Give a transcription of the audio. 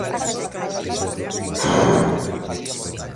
ერთი ათეული გადავიტანოთ ერთეულებთან, ანუ მივუმატოთ ერთეულებს.